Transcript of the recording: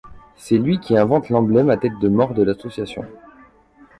C'est lui qui invente l'emblème à tête de mort de l'association.